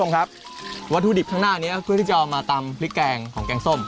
ข้างหน้านี้ก็คือที่จะเอามาตำพริกแกงของแกงส้ม